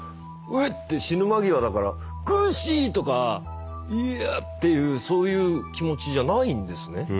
えって死ぬ間際だから苦しいとかいやっていうそういう気持ちじゃないんですね？